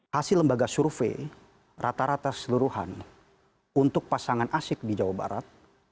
hasil lembaga survei rata rata seluruhan untuk pasangan asyik di jawa barat